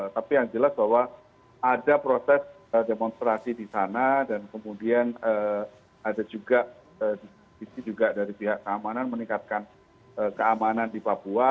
tapi yang jelas bahwa ada proses demonstrasi di sana dan kemudian ada juga di sini juga dari pihak keamanan meningkatkan keamanan di papua